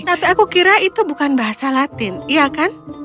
tapi aku kira itu bukan bahasa latih ya kan